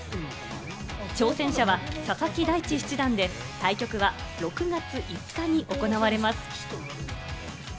挑戦者は佐々木大地七段で対局は６月５日に行われます。